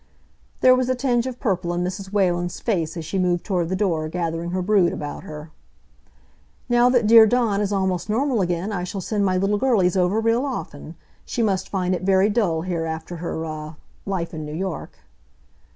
There was a tinge of purple in Mrs. Whalen's face as she moved toward the door, gathering her brood about her. "Now that dear Dawn is almost normal again I shall send my little girlies over real often. She must find it very dull here after her ah life in New York."